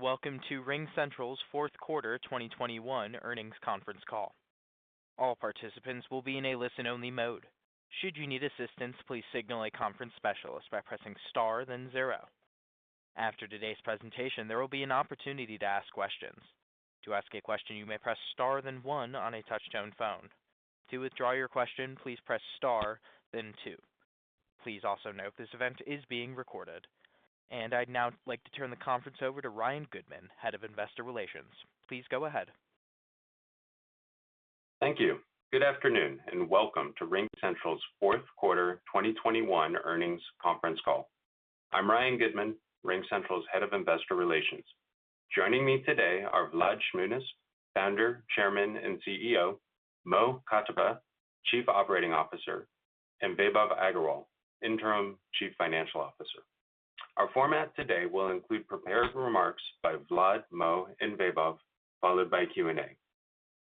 Welcome to RingCentral's fourth quarter 2021 earnings conference call. All participants will be in a listen-only mode. Should you need assistance, please signal a conference specialist by pressing star then zero. After today's presentation, there will be an opportunity to ask questions. To ask a question, you may press star then one on a touch-tone phone. To withdraw your question, please press star then two. Please also note this event is being recorded. I'd now like to turn the conference over to Ryan Goodman, Head of Investor Relations. Please go ahead. Thank you. Good afternoon, and welcome to RingCentral's fourth quarter 2021 earnings conference call. I'm Ryan Goodman, RingCentral's Head of Investor Relations. Joining me today are Vlad Shmunis, Founder, Chairman, and CEO; Mo Katibeh, Chief Operating Officer; and Vaibhav Agarwal, Interim Chief Financial Officer. Our format today will include prepared remarks by Vlad, Mo, and Vaibhav, followed by Q&A.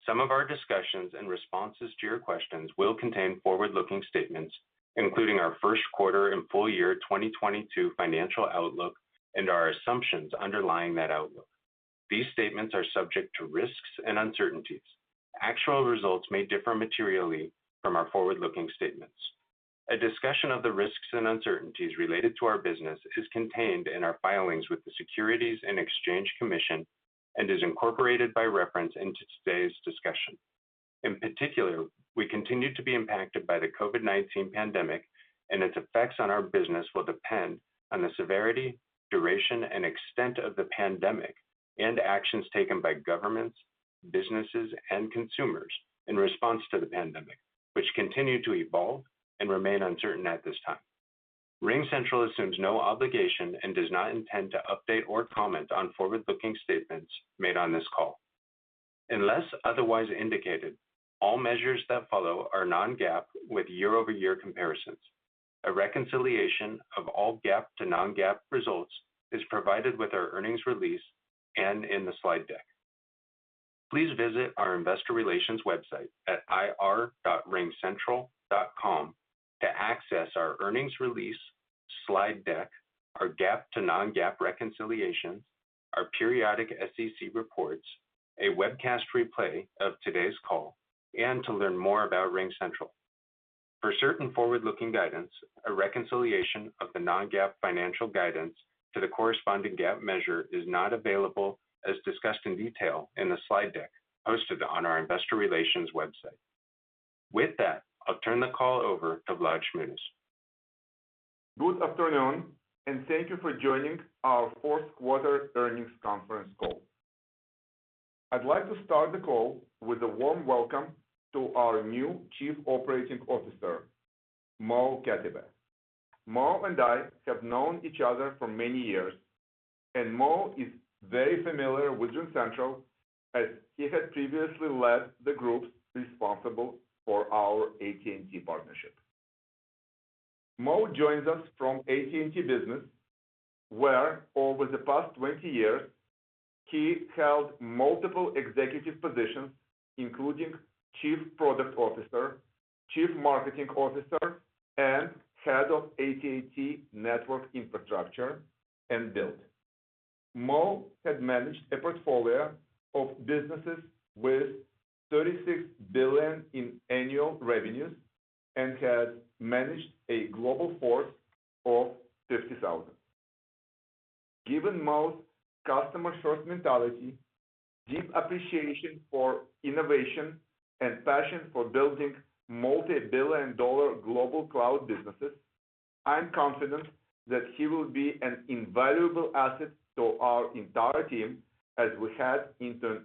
Some of our discussions and responses to your questions will contain forward-looking statements, including our first quarter and full year 2022 financial outlook and our assumptions underlying that outlook. These statements are subject to risks and uncertainties. Actual results may differ materially from our forward-looking statements. A discussion of the risks and uncertainties related to our business is contained in our filings with the Securities and Exchange Commission and is incorporated by reference into today's discussion. In particular, we continue to be impacted by the COVID-19 pandemic and its effects on our business will depend on the severity, duration, and extent of the pandemic and actions taken by governments, businesses, and consumers in response to the pandemic, which continue to evolve and remain uncertain at this time. RingCentral assumes no obligation and does not intend to update or comment on forward-looking statements made on this call. Unless otherwise indicated, all measures that follow are non-GAAP with year-over-year comparisons. A reconciliation of all GAAP to non-GAAP results is provided with our earnings release and in the slide deck. Please visit our investor relations website at ir.ringcentral.com to access our earnings release, slide deck, our GAAP to non-GAAP reconciliations, our periodic SEC reports, a webcast replay of today's call, and to learn more about RingCentral. For certain forward-looking guidance, a reconciliation of the non-GAAP financial guidance to the corresponding GAAP measure is not available, as discussed in detail in the slide deck hosted on our investor relations website. With that, I'll turn the call over to Vlad Shmunis. Good afternoon and thank you for joining our fourth quarter earnings conference call. I'd like to start the call with a warm welcome to our new Chief Operating Officer, Mo Katibeh. Mo and I have known each other for many years, and Mo is very familiar with RingCentral as he had previously led the groups responsible for our AT&T partnership. Mo joins us from AT&T Business, where over the past 20 years, he held multiple executive positions, including Chief Product Officer, Chief Marketing Officer, and Head of AT&T Network Infrastructure and Build. Mo has managed a portfolio of businesses with $36 billion in annual revenues and has managed a global force of 50,000. Given Mo's customer-first mentality, deep appreciation for innovation, and passion for building multi-billion dollar global cloud businesses, I am confident that he will be an invaluable asset to our entire team as we head into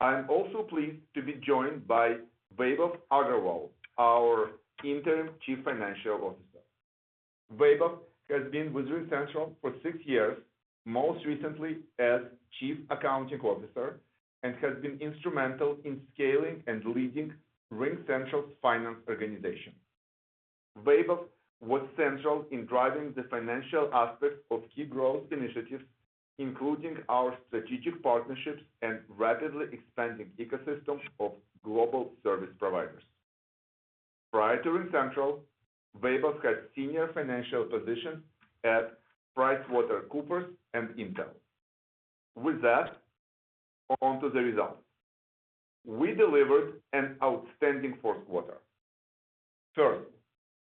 an exciting 2022. I'm also pleased to be joined by Vaibhav Agarwal, our Interim Chief Financial Officer. Vaibhav has been with RingCentral for six years, most recently as Chief Accounting Officer, and has been instrumental in scaling and leading RingCentral's finance organization. Vaibhav was central in driving the financial aspects of key growth initiatives, including our strategic partnerships and rapidly expanding ecosystem of global service providers. Prior to RingCentral, Vaibhav held senior financial positions at PricewaterhouseCoopers and Intel. With that, on to the results. We delivered an outstanding fourth quarter. First,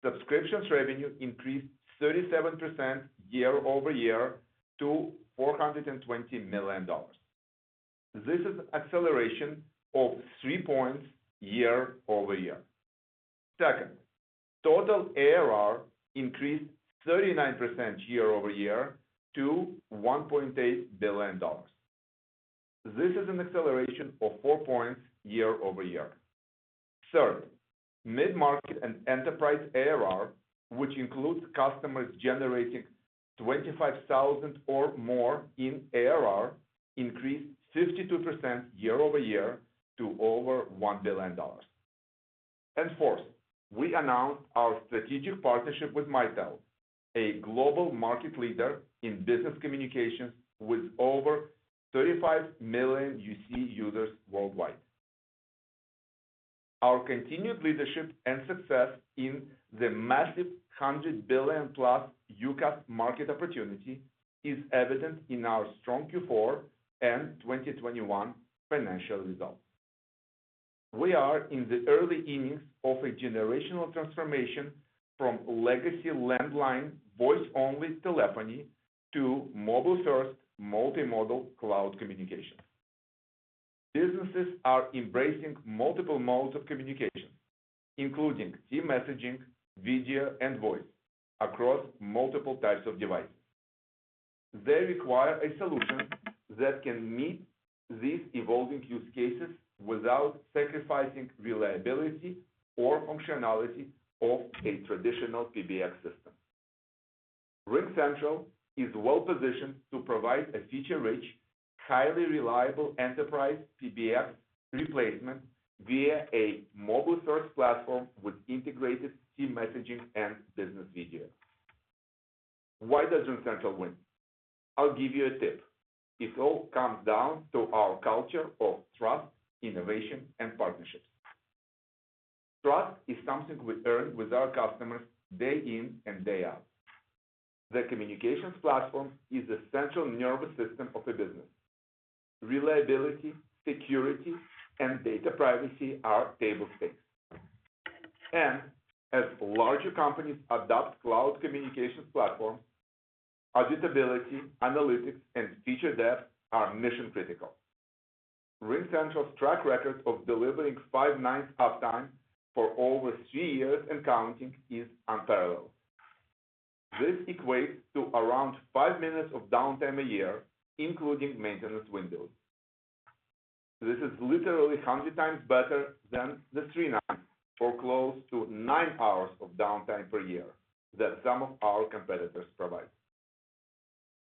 subscriptions revenue increased 37% year-over-year to $420 million. This is an acceleration of 3 points year-over-year. Second, total ARR increased 39% year-over-year to $1.8 billion. This is an acceleration of 4 points year-over-year. Third, mid-market and enterprise ARR, which includes customers generating $25,000 or more in ARR, increased 52% year-over-year to over $1 billion. Fourth, we announced our strategic partnership with Mitel, a global market leader in business communications with over 35 million UC users worldwide. Our continued leadership and success in the massive $100 billion+ UCaaS market opportunity is evident in our strong Q4 and 2021 financial results. We are in the early innings of a generational transformation from legacy landline, voice-only telephony to mobile-first, multi-modal cloud communication. Businesses are embracing multiple modes of communication, including team messaging, video, and voice across multiple types of devices. They require a solution that can meet these evolving use cases without sacrificing reliability or functionality of a traditional PBX system. RingCentral is well positioned to provide a feature-rich, highly reliable enterprise PBX replacement via a mobile first platform with integrated team messaging and business video. Why does RingCentral win? I'll give you a tip. It all comes down to our culture of trust, innovation, and partnerships. Trust is something we earn with our customers day in and day out. The communications platform is the central nervous system of a business. Reliability, security, and data privacy are table stakes. As larger companies adopt cloud communications platform, auditability, analytics, and feature depth are mission critical. RingCentral's track record of delivering five nines uptime for over three years and counting is unparalleled. This equates to around five minutes of downtime a year, including maintenance windows. This is literally 100 times better than the three nines or close to nine hours of downtime per year that some of our competitors provide.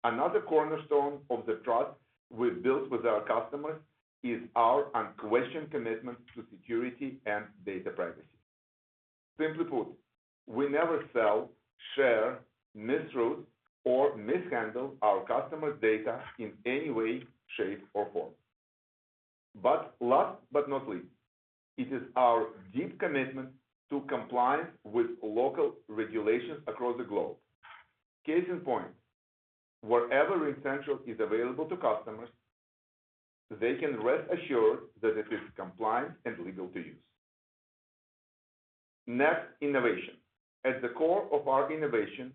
Another cornerstone of the trust we've built with our customers is our unquestioned commitment to security and data privacy. Simply put, we never sell, share, misroute, or mishandle our customers' data in any way, shape, or form. Last but not least, it is our deep commitment to compliance with local regulations across the globe. Case in point, wherever RingCentral is available to customers, they can rest assured that it is compliant and legal to use. Next, innovation. At the core of our innovation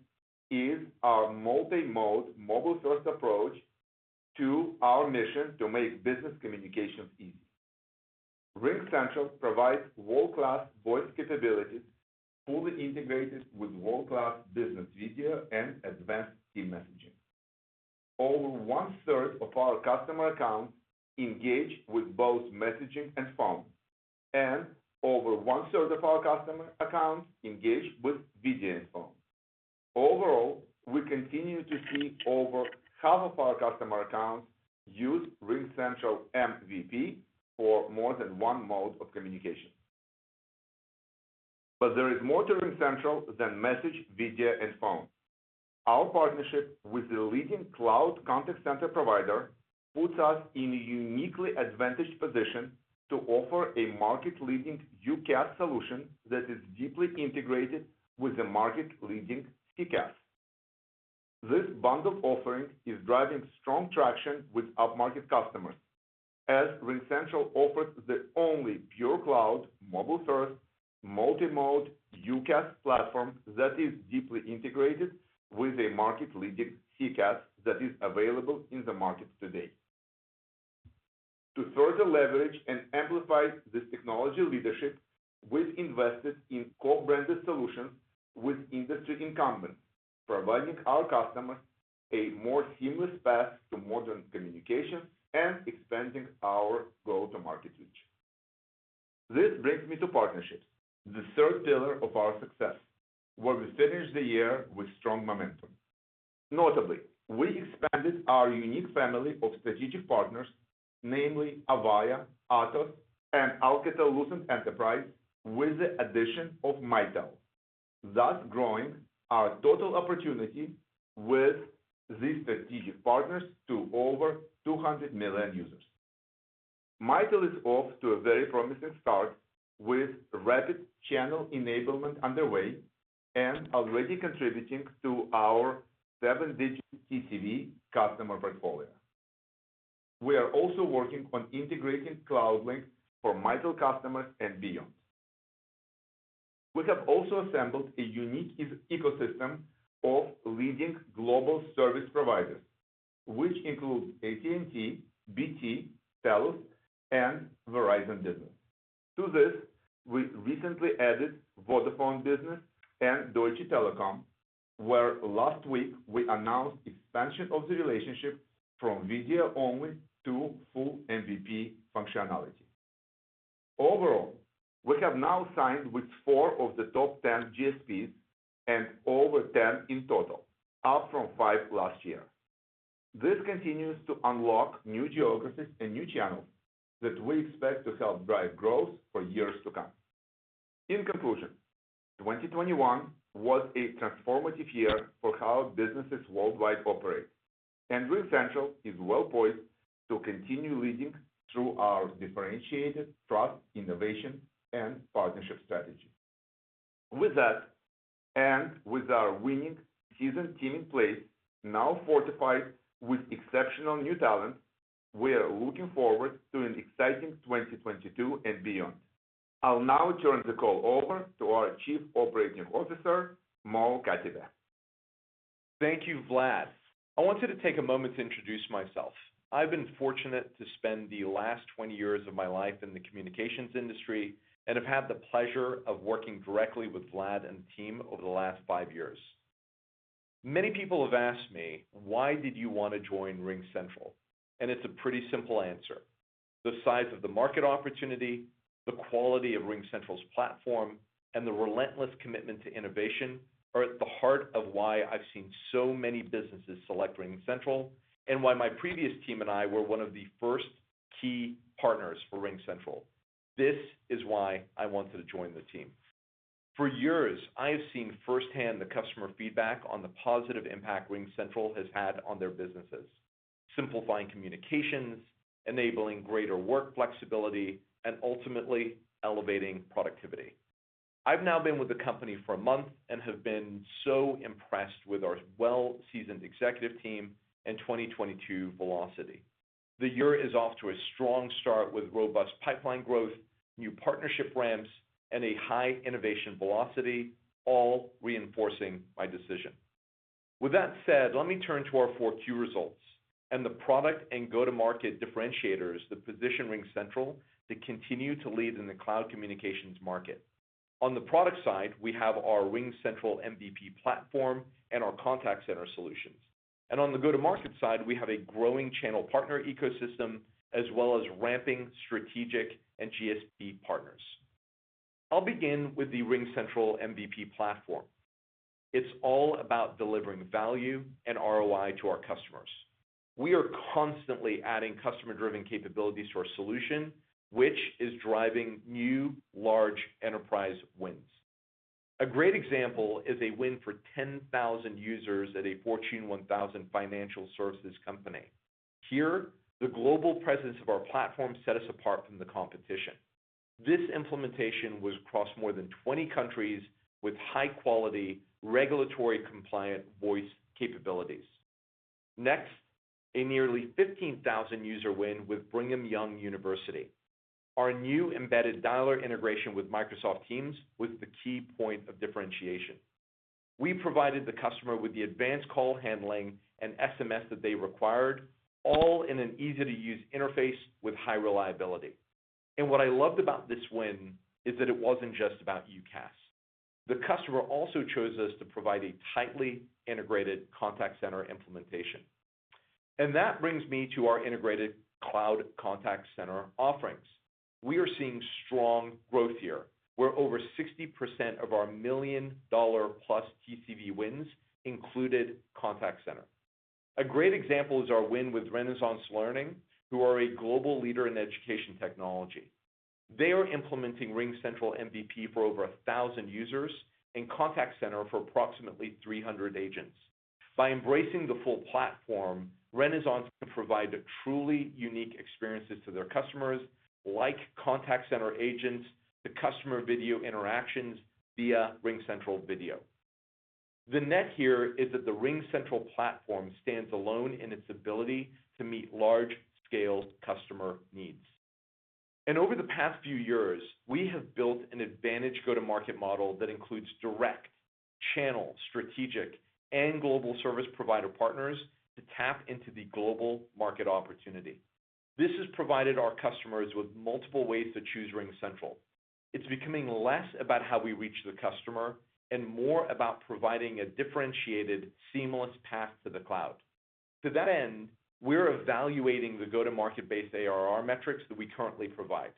is our multi-mode mobile first approach to our mission to make business communications easy. RingCentral provides world-class voice capabilities fully integrated with world-class business video and advanced team messaging. Over 1/3 of our customer accounts engage with both messaging and phone, and over 1/3 of our customer accounts engage with video and phone. Overall, we continue to see over 1/2 of our customer accounts use RingCentral MVP for more than one mode of communication. There is more to RingCentral than message, video, and phone. Our partnership with the leading cloud contact center provider puts us in a uniquely advantaged position to offer a market-leading UCaaS solution that is deeply integrated with a market-leading CCaaS. This bundled offering is driving strong traction with up-market customers as RingCentral offers the only pure cloud mobile first multi-mode UCaaS platform that is deeply integrated with a market-leading CCaaS that is available in the market today. To further leverage and amplify this technology leadership, we've invested in co-branded solutions with industry incumbents, providing our customers a more seamless path to modern communication and expanding our go-to-market reach. This brings me to partnerships, the third pillar of our success, where we finished the year with strong momentum. Notably, we expanded our unique family of strategic partners, namely Avaya, Atos, and Alcatel-Lucent Enterprise, with the addition of Mitel, thus growing our total opportunity with these strategic partners to over 200 million users. Mitel is off to a very promising start with rapid channel enablement underway and already contributing to our seven-digit TCV customer portfolio. We are also working on integrating CloudLink for Mitel customers and beyond. We have also assembled a unique ecosystem of leading global service providers, which include AT&T, BT, Telus, and Verizon Business. To this, we recently added Vodafone Business and Deutsche Telekom, where last week we announced expansion of the relationship from video only to full MVP functionality. Overall, we have now signed with four of the top ten GSPs and over ten in total, up from five last year. This continues to unlock new geographies and new channels that we expect to help drive growth for years to come. In conclusion, 2021 was a transformative year for how businesses worldwide operate, and RingCentral is well-poised to continue leading through our differentiated trust, innovation, and partnership strategy. With that, and with our winning seasoned team in place, now fortified with exceptional new talent, we are looking forward to an exciting 2022 and beyond. I'll now turn the call over to our Chief Operating Officer, Mo Katibeh. Thank you, Vlad. I wanted to take a moment to introduce myself. I've been fortunate to spend the last 20 years of my life in the communications industry and have had the pleasure of working directly with Vlad and the team over the last five years. Many people have asked me, "Why did you want to join RingCentral?" It's a pretty simple answer. The size of the market opportunity, the quality of RingCentral's platform, and the relentless commitment to innovation are at the heart of why I've seen so many businesses select RingCentral, and why my previous team and I were one of the first key partners for RingCentral. This is why I wanted to join the team. For years, I have seen firsthand the customer feedback on the positive impact RingCentral has had on their businesses, simplifying communications, enabling greater work flexibility, and ultimately, elevating productivity. I've now been with the company for a month and have been so impressed with our well-seasoned executive team and 2022 velocity. The year is off to a strong start with robust pipeline growth, new partnership ramps, and a high innovation velocity, all reinforcing my decision. With that said, let me turn to our Q4 results and the product and go-to-market differentiators that position RingCentral to continue to lead in the cloud communications market. On the product side, we have our RingCentral MVP platform and our contact center solutions. On the go-to-market side, we have a growing channel partner ecosystem, as well as ramping strategic and GSP partners. I'll begin with the RingCentral MVP platform. It's all about delivering value and ROI to our customers. We are constantly adding customer-driven capabilities to our solution, which is driving new large enterprise wins. A great example is a win for 10,000 users at a Fortune 1000 financial services company. Here, the global presence of our platform set us apart from the competition. This implementation was across more than 20 countries with high-quality, regulatory compliant voice capabilities. Next, a nearly 15,000-user win with Brigham Young University. Our new embedded dialer integration with Microsoft Teams was the key point of differentiation. We provided the customer with the advanced call handling and SMS that they required, all in an easy-to-use interface with high reliability. What I loved about this win is that it wasn't just about UCaaS. The customer also chose us to provide a tightly integrated contact center implementation. That brings me to our integrated cloud contact center offerings. We are seeing strong growth here, where over 60% of our $1 million-plus TCV wins included contact center. A great example is our win with Renaissance Learning, who are a global leader in education technology. They are implementing RingCentral MVP for over 1,000 users and contact center for approximately 300 agents. By embracing the full platform, Renaissance can provide a truly unique experiences to their customers, like contact center agents to customer video interactions via RingCentral Video. The net here is that the RingCentral platform stands alone in its ability to meet large-scale customer needs. Over the past few years, we have built an advantage go-to-market model that includes direct, channel, strategic, and global service provider partners to tap into the global market opportunity. This has provided our customers with multiple ways to choose RingCentral. It's becoming less about how we reach the customer and more about providing a differentiated, seamless path to the cloud. To that end, we're evaluating the go-to-market based ARR metrics that we currently provide.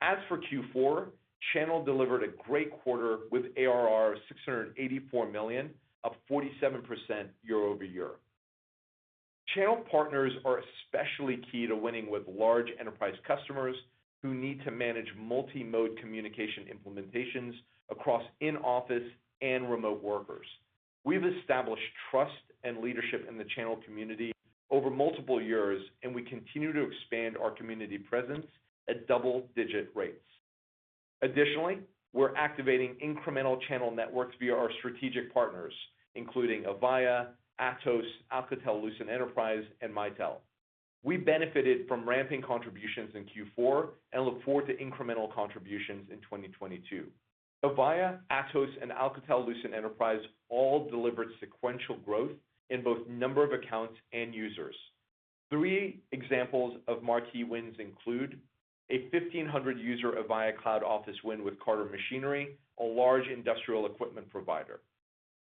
As for Q4, channel delivered a great quarter with ARR $684 million, up 47% year over year. Channel partners are especially key to winning with large enterprise customers who need to manage multi-mode communication implementations across in-office and remote workers. We've established trust and leadership in the channel community over multiple years, and we continue to expand our community presence at double-digit rates. Additionally, we're activating incremental channel networks via our strategic partners, including Avaya, Atos, Alcatel-Lucent Enterprise, and Mitel. We benefited from ramping contributions in Q4 and look forward to incremental contributions in 2022. Avaya, Atos, and Alcatel-Lucent Enterprise all delivered sequential growth in both number of accounts and users. Three examples of marquee wins include a 1,500-user Avaya Cloud Office win with Carter Machinery, a large industrial equipment provider,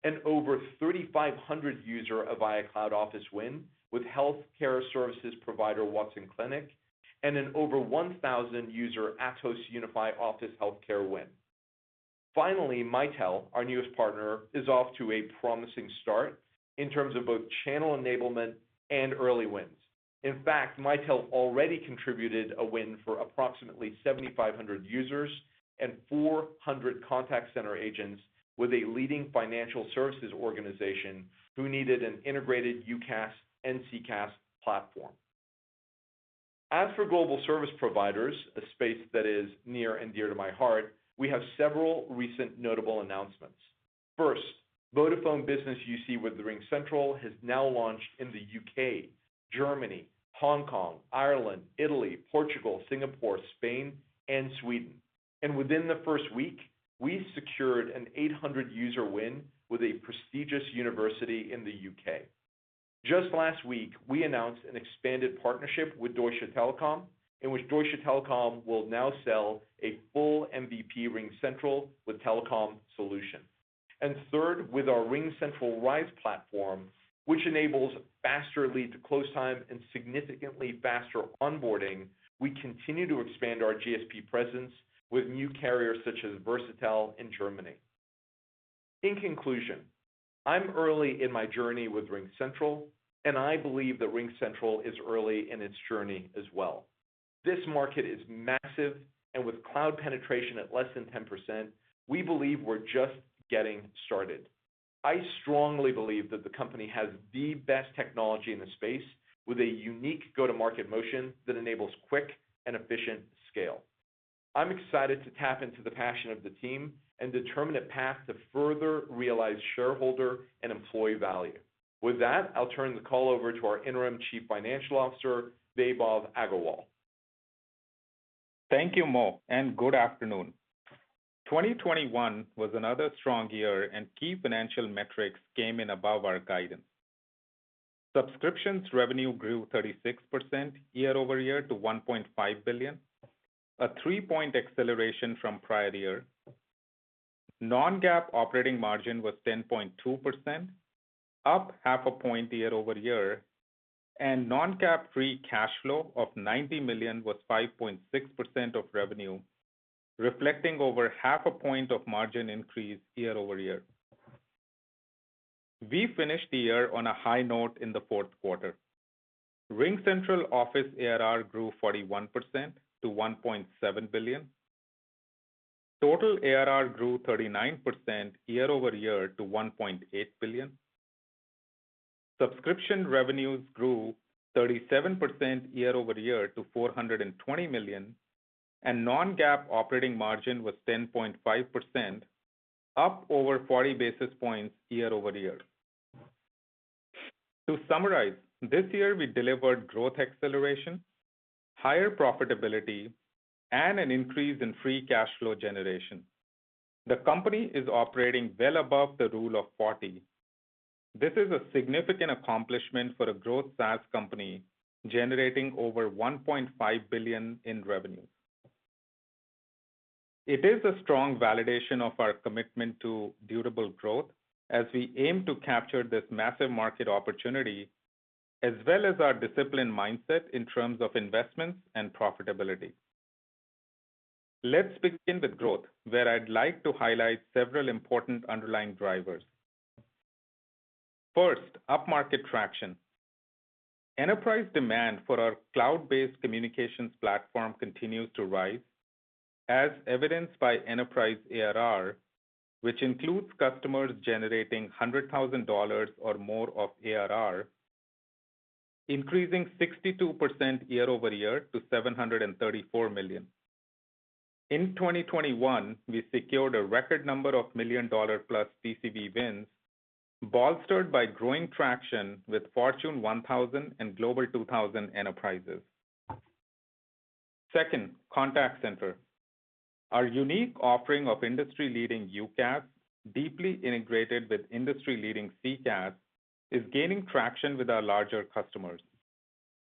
and over 3,500-user Avaya Cloud Office win with healthcare services provider, Watson Clinic, and an over 1,000-user Atos Unify Office Healthcare win. Finally, Mitel, our newest partner, is off to a promising start in terms of both channel enablement and early wins. In fact, Mitel already contributed a win for approximately 7,500 users and 400 contact center agents with a leading financial services organization who needed an integrated UCaaS and CCaaS platform. As for global service providers, a space that is near and dear to my heart, we have several recent notable announcements. First, Vodafone Business UC with RingCentral has now launched in the UK, Germany, Hong Kong, Ireland, Italy, Portugal, Singapore, Spain, and Sweden. Within the first week, we secured an 800-user win with a prestigious university in the UK. Just last week, we announced an expanded partnership with Deutsche Telekom, in which Deutsche Telekom will now sell a full RingCentral MVP with Telekom solution. Third, with our RingCentral Rise platform, which enables faster lead to close time and significantly faster onboarding, we continue to expand our GSP presence with new carriers such as Versatel in Germany. In conclusion, I'm early in my journey with RingCentral, and I believe that RingCentral is early in its journey as well. This market is massive, and with cloud penetration at less than 10%, we believe we're just getting started. I strongly believe that the company has the best technology in the space with a unique go-to-market motion that enables quick and efficient scale. I'm excited to tap into the passion of the team and determine a path to further realize shareholder and employee value. With that, I'll turn the call over to our Interim Chief Financial Officer, Vaibhav Agarwal. Thank you, Mo, and good afternoon. 2021 was another strong year, and key financial metrics came in above our guidance. Subscription revenue grew 36% year-over-year to $1.5 billion, a 3-point acceleration from prior year. Non-GAAP operating margin was 10.2%, up 0.5 point year-over-year, and non-GAAP free cash flow of $90 million was 5.6% of revenue, reflecting over 0.5 point of margin increase year-over-year. We finished the year on a high note in the fourth quarter. RingCentral Office ARR grew 41% to $1.7 billion. Total ARR grew 39% year-over-year to $1.8 billion. Subscription revenues grew 37% year-over-year to $420 million, and non-GAAP operating margin was 10.5%, up over 40 basis points year-over-year. To summarize, this year we delivered growth acceleration, higher profitability, and an increase in free cash flow generation. The company is operating well above the rule of forty. This is a significant accomplishment for a growth SaaS company generating over $1.5 billion in revenue. It is a strong validation of our commitment to durable growth as we aim to capture this massive market opportunity, as well as our disciplined mindset in terms of investments and profitability. Let's begin with growth, where I'd like to highlight several important underlying drivers. First, up-market traction. Enterprise demand for our cloud-based communications platform continues to rise, as evidenced by enterprise ARR, which includes customers generating $100,000 or more of ARR, increasing 62% year over year to $734 million. In 2021, we secured a record number of million-dollar-plus TCV wins, bolstered by growing traction with Fortune 1000 and Global 2000 enterprises. Second, contact center. Our unique offering of industry-leading UCaaS, deeply integrated with industry-leading CCaaS, is gaining traction with our larger customers.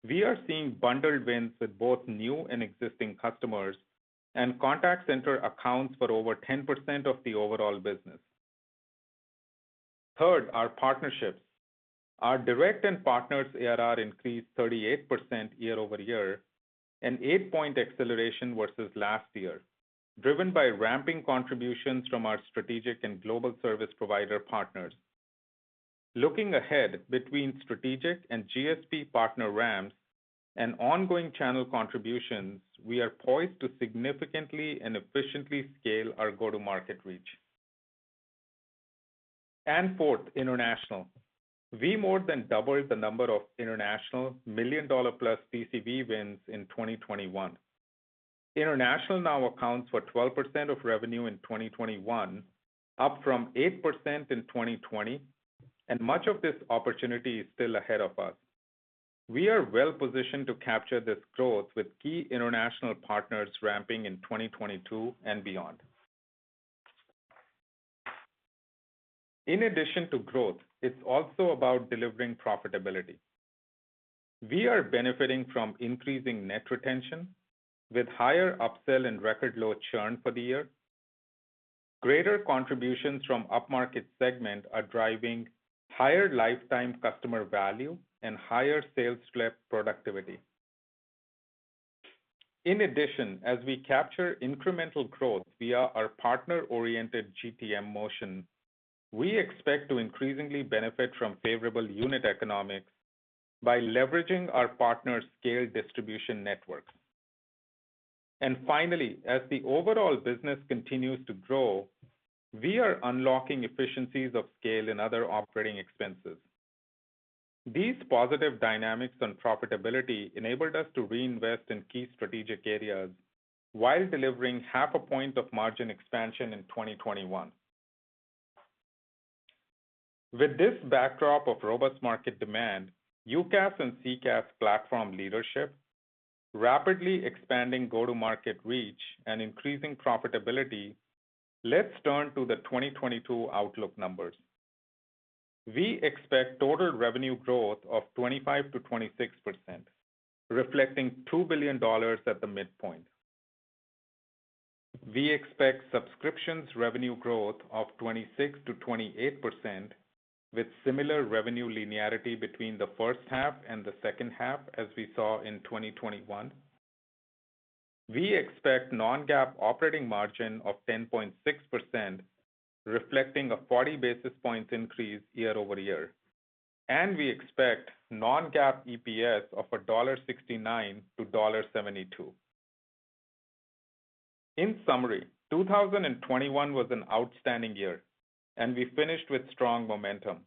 We are seeing bundled wins with both new and existing customers, and contact center accounts for over 10% of the overall business. Third, our partnerships. Our direct and partners ARR increased 38% year-over-year, an 8-point acceleration versus last year, driven by ramping contributions from our strategic and global service provider partners. Looking ahead, between strategic and GSP partner ramps and ongoing channel contributions, we are poised to significantly and efficiently scale our go-to-market reach. Fourth, international. We more than doubled the number of international million-dollar-plus TCV wins in 2021. International now accounts for 12% of revenue in 2021, up from 8% in 2020, and much of this opportunity is still ahead of us. We are well-positioned to capture this growth with key international partners ramping in 2022 and beyond. In addition to growth, it's also about delivering profitability. We are benefiting from increasing net retention with higher upsell and record low churn for the year. Greater contributions from up-market segment are driving higher lifetime customer value and higher sales rep productivity. In addition, as we capture incremental growth via our partner-oriented GTM motion, we expect to increasingly benefit from favorable unit economics by leveraging our partners' scale distribution networks. Finally, as the overall business continues to grow, we are unlocking efficiencies of scale in other operating expenses. These positive dynamics on profitability enabled us to reinvest in key strategic areas while delivering half a point of margin expansion in 2021. With this backdrop of robust market demand, UCaaS and CCaaS platform leadership, rapidly expanding go-to-market reach, and increasing profitability, let's turn to the 2022 outlook numbers. We expect total revenue growth of 25%-26%, reflecting $2 billion at the midpoint. We expect subscriptions revenue growth of 26%-28% with similar revenue linearity between the first half and the second half as we saw in 2021. We expect non-GAAP operating margin of 10.6%, reflecting a 40 basis points increase year over year. We expect non-GAAP EPS of $1.69-$1.72. In summary, 2021 was an outstanding year, and we finished with strong momentum.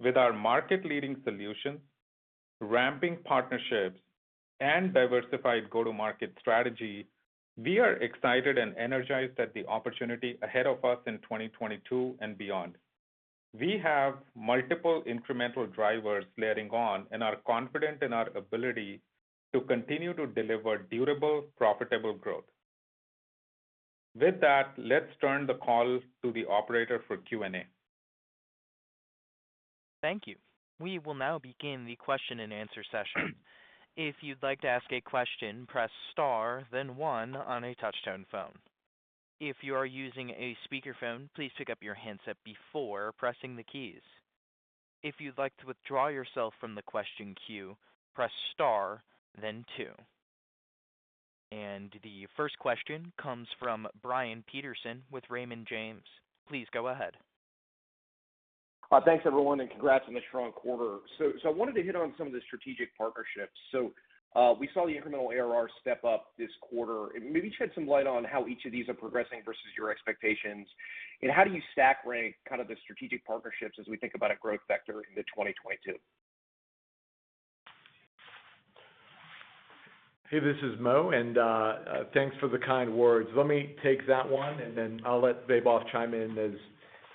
With our market-leading solutions, ramping partnerships, and diversified go-to-market strategy, we are excited and energized at the opportunity ahead of us in 2022 and beyond. We have multiple incremental drivers layering on and are confident in our ability to continue to deliver durable, profitable growth. With that, let's turn the call to the operator for Q&A. Thank you. We will now begin the question-and-answer session. If you'd like to ask a question, press star then one on a touchtone phone. If you are using a speakerphone, please pick up your handset before pressing the keys. If you'd like to withdraw yourself from the question queue, press star then two. The first question comes from Brian Peterson with Raymond James. Please go ahead. Thanks everyone, and congrats on the strong quarter. I wanted to hit on some of the strategic partnerships. We saw the incremental ARR step up this quarter. Maybe shed some light on how each of these are progressing versus your expectations. How do you stack rank kind of the strategic partnerships as we think about a growth vector into 2022? Hey, this is Mo, and thanks for the kind words. Let me take that one, and then I'll let Vaibhav chime in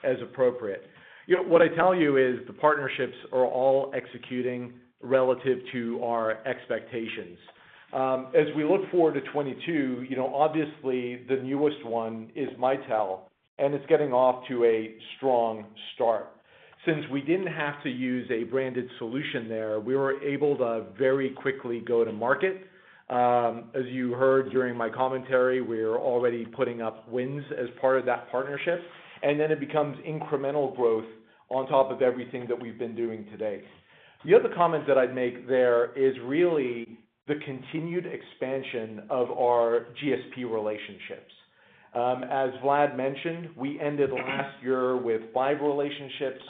as appropriate. You know, what I tell you is the partnerships are all executing relative to our expectations. As we look forward to 2022, you know, obviously the newest one is Mitel, and it's getting off to a strong start. Since we didn't have to use a branded solution there, we were able to very quickly go to market. As you heard during my commentary, we're already putting up wins as part of that partnership, and then it becomes incremental growth on top of everything that we've been doing today. The other comment that I'd make there is really the continued expansion of our GSP relationships. As Vlad mentioned, we ended last year with five relationships.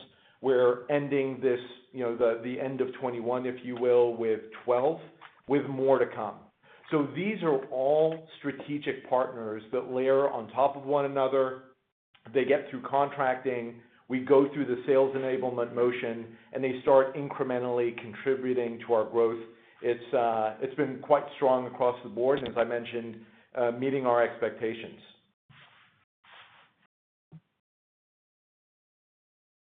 We're ending this, you know, the end of 2021, if you will, with 12, with more to come. These are all strategic partners that layer on top of one another. They get through contracting, we go through the sales enablement motion, and they start incrementally contributing to our growth. It's been quite strong across the board, and as I mentioned, meeting our expectations.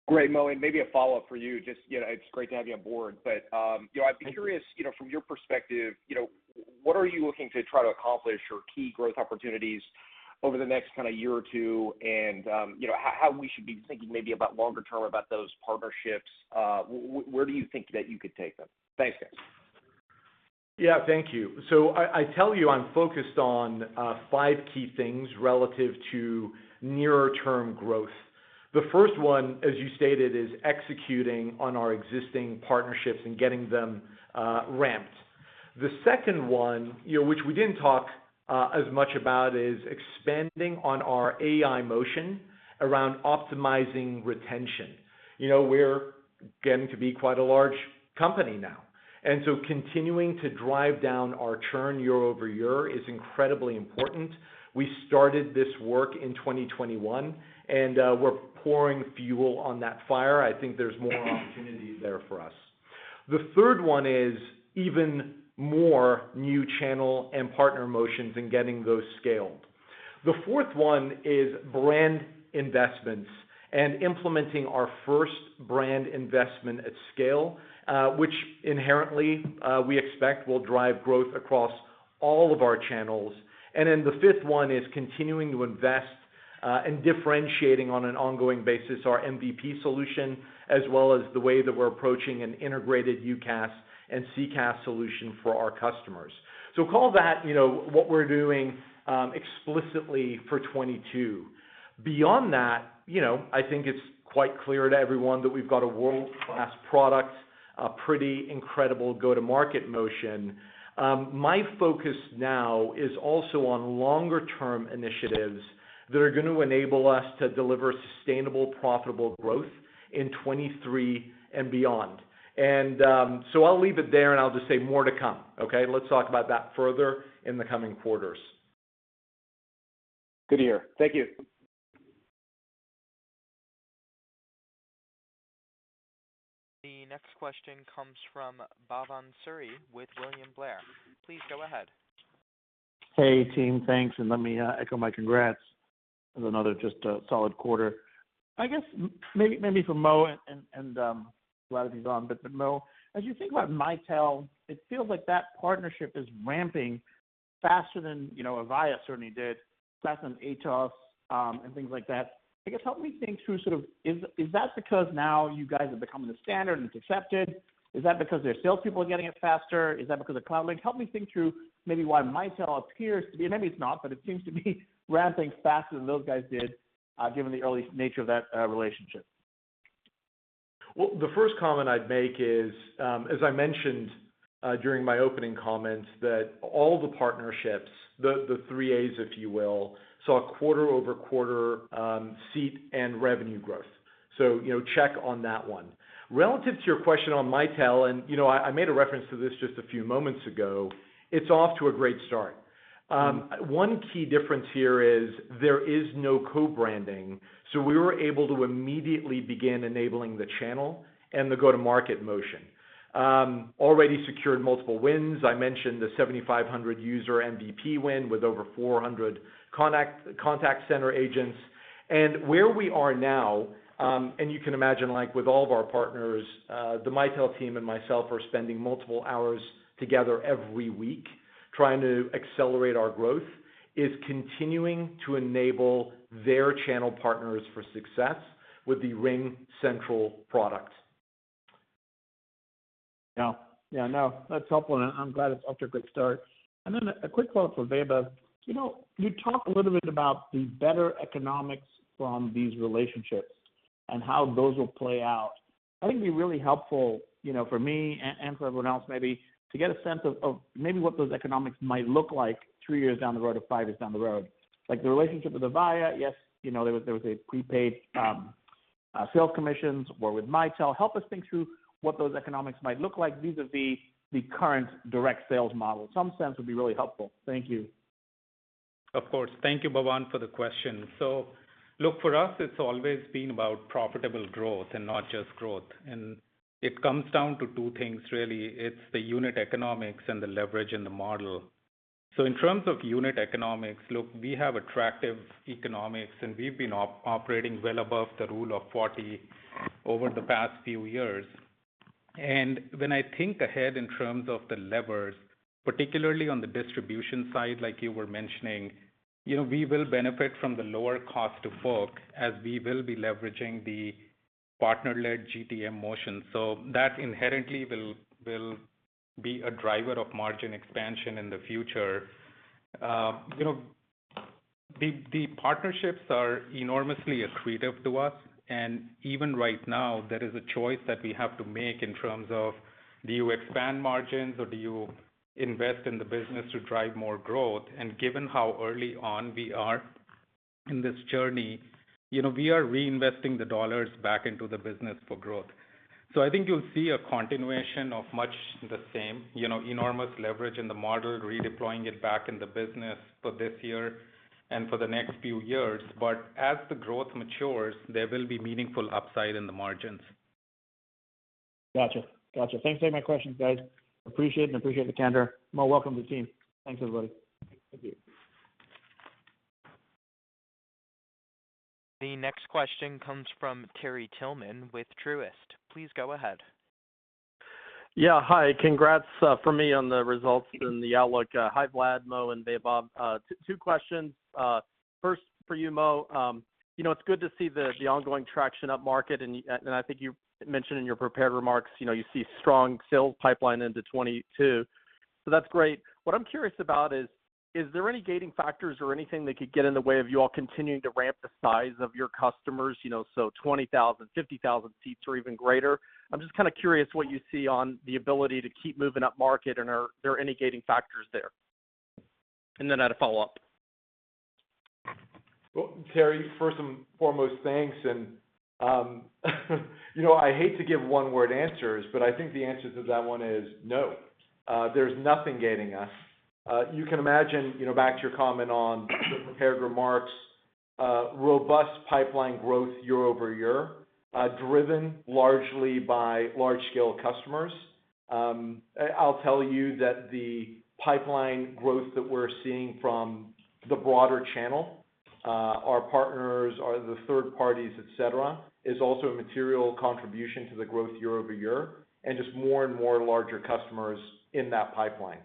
Great, Mo. Maybe a follow-up for you. Just, you know, it's great to have you on board. You know, I'd be curious, you know, from your perspective, you know, what are you looking to try to accomplish or key growth opportunities over the next kinda year or two? You know, how we should be thinking maybe about longer term about those partnerships. Where do you think that you could take them? Thanks, guys. Yeah, thank you. I tell you, I'm focused on five key things relative to nearer term growth. The first one, as you stated, is executing on our existing partnerships and getting them ramped. The second one, you know, which we didn't talk as much about, is expanding on our AI motion around optimizing retention. You know, we're getting to be quite a large company now, and so continuing to drive down our churn year-over-year is incredibly important. We started this work in 2021, and we're pouring fuel on that fire. I think there's more opportunity there for us. The third one is even more new channel and partner motions and getting those scaled. The fourth one is brand investments and implementing our first brand investment at scale, which inherently we expect will drive growth across all of our channels. The fifth one is continuing to invest in differentiating on an ongoing basis our MVP solution, as well as the way that we're approaching an integrated UCaaS and CCaaS solution for our customers. Call that what we're doing explicitly for 2022. Beyond that, I think it's quite clear to everyone that we've got a world-class product. A pretty incredible go-to-market motion. My focus now is also on longer term initiatives that are gonna enable us to deliver sustainable, profitable growth in 2023 and beyond. I'll leave it there, and I'll just say more to come, okay. Let's talk about that further in the coming quarters. Good to hear. Thank you. The next question comes from Bhavan Suri with William Blair. Please go ahead. Hey, team. Thanks, and let me echo my congrats on another just a solid quarter. I guess maybe for Mo and Vlad, if he's on. But Mo, as you think about Mitel, it feels like that partnership is ramping faster than, you know, Avaya certainly did, faster than Atos, and things like that. I guess help me think through sort of is that because now you guys are becoming the standard, and it's accepted? Is that because their salespeople are getting it faster? Is that because of CloudLink? Help me think through maybe why Mitel appears to be, and maybe it's not, but it seems to be ramping faster than those guys did, given the early nature of that relationship. Well, the first comment I'd make is, as I mentioned, during my opening comments that all the partnerships, the three As, if you will, saw quarter-over-quarter seat and revenue growth. You know, check on that one. Relative to your question on Mitel, you know, I made a reference to this just a few moments ago, it's off to a great start. One key difference here is there is no co-branding, so we were able to immediately begin enabling the channel and the go-to-market motion. Already secured multiple wins. I mentioned the 7,500 user MVP win with over 400 contact center agents. Where we are now, you can imagine, like, with all of our partners, the Mitel team and myself are spending multiple hours together every week trying to accelerate our growth, is continuing to enable their channel partners for success with the RingCentral product. Yeah. Yeah, no, that's helpful, and I'm glad it's off to a great start. Then a quick follow-up for Vaibhav. You know, you talk a little bit about the better economics from these relationships and how those will play out. I think it'd be really helpful, you know, for me and for everyone else maybe, to get a sense of maybe what those economics might look like three years down the road or five years down the road. Like, the relationship with Avaya, yes, you know, there was a prepaid sales commissions or with Mitel. Help us think through what those economics might look like vis-à-vis the current direct sales model. Some sense would be really helpful. Thank you. Of course. Thank you, Bhavan, for the question. Look, for us, it's always been about profitable growth and not just growth. It comes down to two things really. It's the unit economics and the leverage in the model. In terms of unit economics, look, we have attractive economics, and we've been operating well above the rule of 40 over the past few years. When I think ahead in terms of the levers, particularly on the distribution side like you were mentioning, you know, we will benefit from the lower cost of sales as we will be leveraging the partner-led GTM motion. That inherently will be a driver of margin expansion in the future. You know, the partnerships are enormously accretive to us. Even right now, there is a choice that we have to make in terms of do you expand margins or do you invest in the business to drive more growth? Given how early on we are in this journey, you know, we are reinvesting the dollars back into the business for growth. I think you'll see a continuation of much the same, you know, enormous leverage in the model, redeploying it back in the business for this year and for the next few years. As the growth matures, there will be meaningful upside in the margins. Gotcha. Gotcha. Thanks for taking my questions, guys. Appreciate it, and appreciate the candor. Mo, welcome to the team. Thanks, everybody. Thank you. The next question comes from Terry Tillman with Truist. Please go ahead. Yeah. Hi. Congrats from me on the results and the outlook. Hi, Vlad, Mo, and Vaibhav. Two questions. First for you, Mo. You know, it's good to see the ongoing traction upmarket, and I think you mentioned in your prepared remarks, you know, you see strong sales pipeline into 2022, so that's great. What I'm curious about is there any gating factors or anything that could get in the way of you all continuing to ramp the size of your customers, you know, so 20,000, 50,000 seats or even greater? I'm just kinda curious what you see on the ability to keep moving upmarket and are there any gating factors there? And then I had a follow-up. Well, Terry, first and foremost, thanks. You know, I hate to give one-word answers, but I think the answer to that one is no. There's nothing gating us. You can imagine, you know, back to your comment on the prepared remarks, robust pipeline growth year-over-year, driven largely by large-scale customers. I'll tell you that the pipeline growth that we're seeing from the broader channel, our partners or the third parties, et cetera, is also a material contribution to the growth year-over-year, and just more and more larger customers in that pipeline.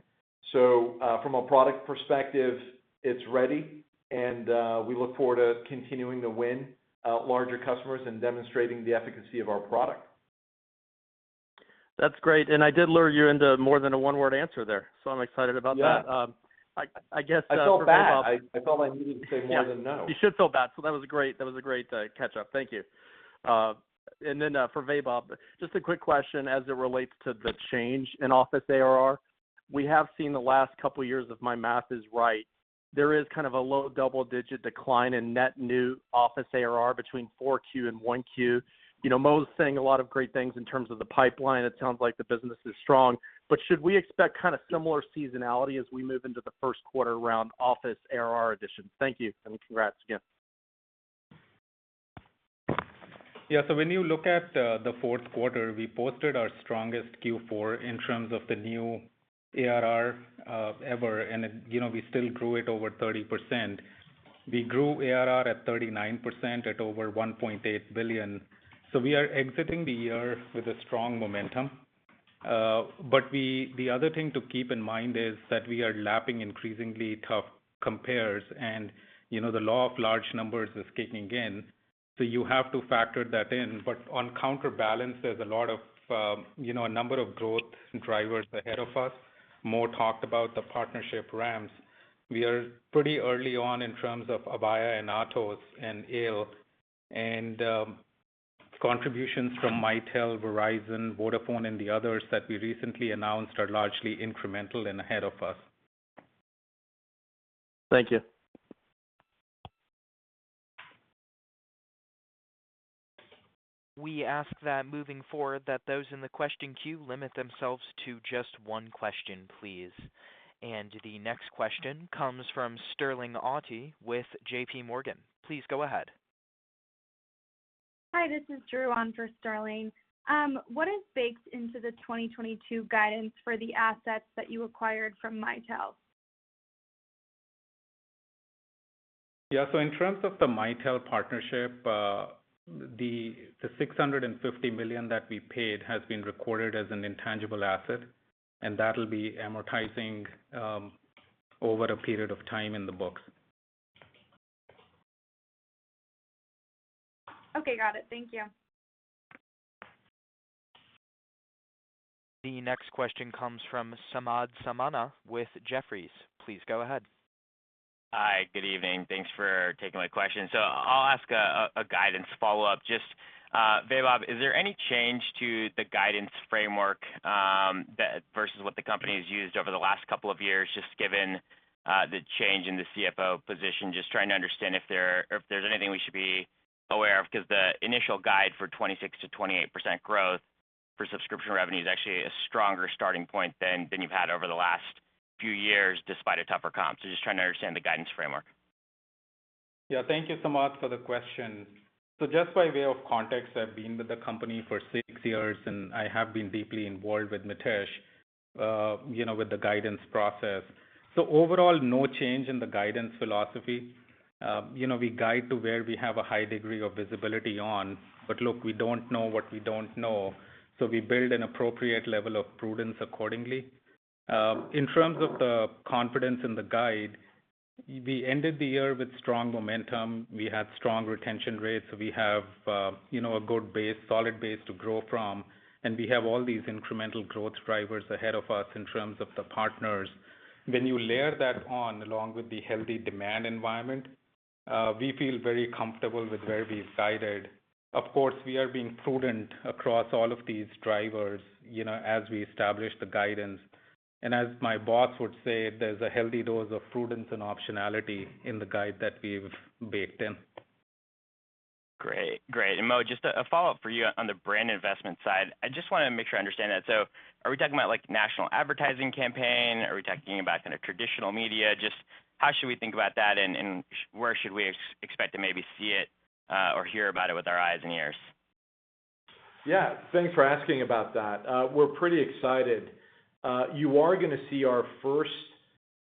From a product perspective, it's ready, and we look forward to continuing to win larger customers and demonstrating the efficacy of our product. That's great. I did lure you into more than a one-word answer there, so I'm excited about that. Yeah. I guess for Vaibhav. I feel bad. I felt like he needed to say more than no. Yeah. You should feel bad. That was a great catch-up. Thank you. For Vaibhav, just a quick question as it relates to the change in office ARR. We have seen the last couple of years, if my math is right, there is kind of a low double-digit decline in net new office ARR between 4Q and 1Q. You know, Mo's saying a lot of great things in terms of the pipeline. It sounds like the business is strong. Should we expect kind of similar seasonality as we move into the first quarter around office ARR additions? Thank you, and congrats again. Yeah. When you look at the fourth quarter, we posted our strongest Q4 in terms of the new ARR ever. You know, we still grew it over 30%. We grew ARR at 39% at over $1.8 billion. We are exiting the year with a strong momentum. The other thing to keep in mind is that we are lapping increasingly tough compares and, you know, the law of large numbers is kicking in, so you have to factor that in. On counterbalance, there's a lot of, you know, a number of growth drivers ahead of us. Mo talked about the partnership ramps. We are pretty early on in terms of Avaya and Atos and Alcatel-Lucent Enterprise. Contributions from Mitel, Verizon, Vodafone and the others that we recently announced are largely incremental and ahead of us. Thank you. We ask that moving forward, that those in the question queue limit themselves to just one question, please. The next question comes from Sterling Auty with JPMorgan. Please go ahead. Hi, this is Drew on for Sterling. What is baked into the 2022 guidance for the assets that you acquired from Mitel? In terms of the Mitel partnership, the $650 million that we paid has been recorded as an intangible asset, and that'll be amortizing over a period of time in the books. Okay, got it. Thank you. The next question comes from Samad Samana with Jefferies. Please go ahead. Hi, good evening. Thanks for taking my question. I'll ask a guidance follow-up. Just, Vaibhav, is there any change to the guidance framework that versus what the company has used over the last couple of years, just given the change in the CFO position? Just trying to understand if there's anything we should be aware of, 'cause the initial guide for 26%-28% growth for subscription revenue is actually a stronger starting point than you've had over the last few years, despite a tougher comp. Just trying to understand the guidance framework. Yeah. Thank you, Samad, for the question. Just by way of context, I've been with the company for six years, and I have been deeply involved with Mitesh, you know, with the guidance process. Overall, no change in the guidance philosophy. You know, we guide to where we have a high degree of visibility on, but look, we don't know what we don't know, so we build an appropriate level of prudence accordingly. In terms of the confidence in the guide, we ended the year with strong momentum. We have strong retention rates. We have, you know, a good base, solid base to grow from, and we have all these incremental growth drivers ahead of us in terms of the partners. When you layer that on along with the healthy demand environment, we feel very comfortable with where we've guided. Of course, we are being prudent across all of these drivers, you know, as we establish the guidance. As my boss would say, there's a healthy dose of prudence and optionality in the guide that we've baked in. Great. Mo, just a follow-up for you on the brand investment side. I just wanna make sure I understand that. Are we talking about like national advertising campaign? Are we talking about kind of traditional media? Just how should we think about that, and where should we expect to maybe see it, or hear about it with our eyes and ears? Yeah. Thanks for asking about that. We're pretty excited. You are gonna see our first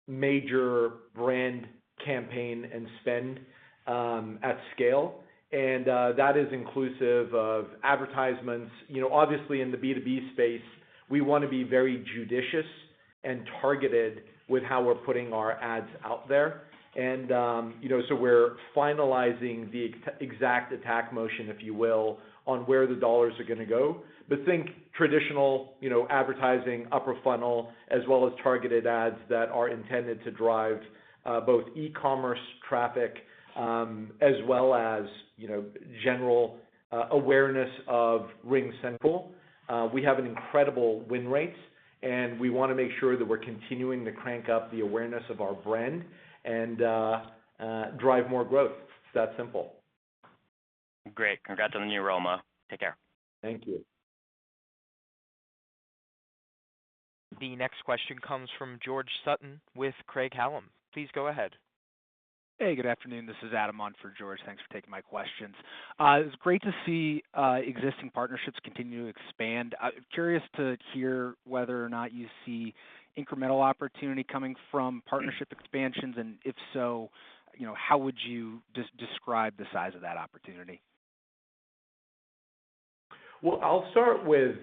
major brand campaign and spend at scale, and that is inclusive of advertisements. You know, obviously in the B2B space, we wanna be very judicious and targeted with how we're putting our ads out there. You know, so we're finalizing the exact attack motion, if you will, on where the dollars are gonna go. Think traditional, you know, advertising, upper funnel, as well as targeted ads that are intended to drive both e-commerce traffic as well as, you know, general awareness of RingCentral. We have an incredible win rates, and we wanna make sure that we're continuing to crank up the awareness of our brand and drive more growth. It's that simple. Great. Congrats on the new role, Mo. Take care. Thank you. The next question comes from George Sutton with Craig-Hallum. Please go ahead. Hey, good afternoon. This is Adam on for George. Thanks for taking my questions. It's great to see existing partnerships continue to expand. I'm curious to hear whether or not you see incremental opportunity coming from partnership expansions, and if so, you know, how would you describe the size of that opportunity? I'll start with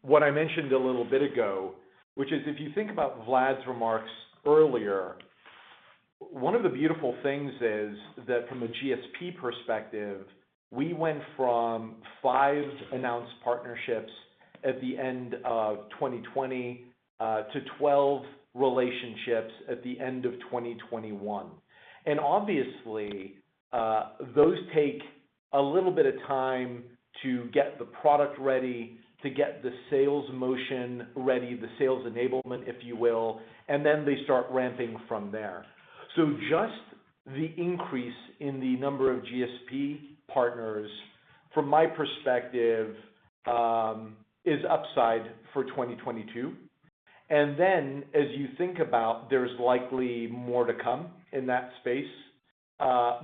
what I mentioned a little bit ago, which is if you think about Vlad's remarks earlier, one of the beautiful things is that from a GSP perspective, we went from 5 announced partnerships at the end of 2020 to 12 relationships at the end of 2021. Obviously, those take a little bit of time to get the product ready, to get the sales motion ready, the sales enablement, if you will, and then they start ramping from there. Just the increase in the number of GSP partners, from my perspective, is upside for 2022. Then as you think about, there's likely more to come in that space,